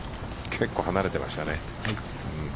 結構離れてましたね。